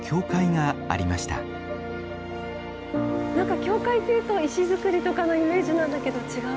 何か教会っていうと石造りとかのイメーシなんだけど違う。